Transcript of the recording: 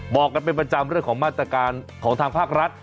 บอกกันเป็นประจำเรื่องของมาตรการของทางภาครัฐ